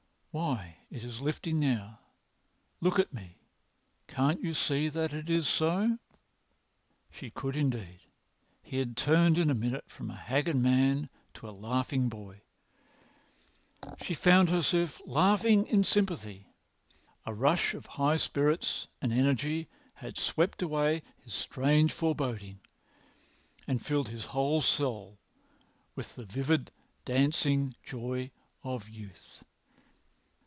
Why, it is lifting now. Look at me! Can't you see that it is so?" She could indeed. He had turned in a minute from a haggard man to a laughing boy. She found herself laughing in sympathy. A rush of high spirits and energy had swept away his strange foreboding and filled his whole soul with the vivid, dancing joy of youth.